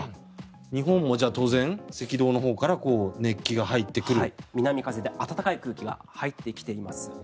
日本も当然赤道のほうから南風で暖かい空気が入ってきています。